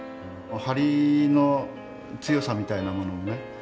張りの強さみたいなものもね